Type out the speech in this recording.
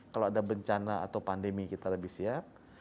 kalau ada bencana atau pandemi kita lebih siap